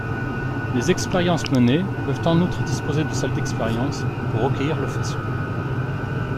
Les expériences menées peuvent en outre disposer de salles d'expériences pour recueillir le faisceau.